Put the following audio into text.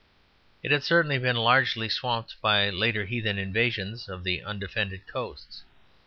It had certainly been largely swamped by later heathen invasions of the undefended coasts.